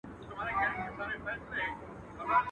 o قاضي پخپله کونه ورکول، نوروته ئې نصيحت کاوه.